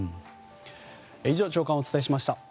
以上朝刊をお伝えしました。